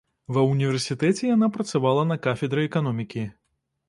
Ва універсітэце яна працавала на кафедры эканомікі.